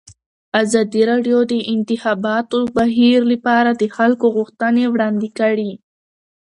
ازادي راډیو د د انتخاباتو بهیر لپاره د خلکو غوښتنې وړاندې کړي.